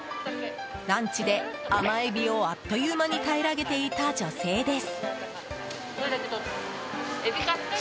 ランチで甘エビをあっという間に平らげていた女性です。